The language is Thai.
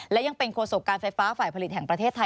และยังเป็นโฆษกการไฟฟ้าฝ่ายผลิตแห่งประเทศไทย